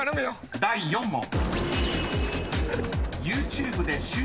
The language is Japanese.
［第４問］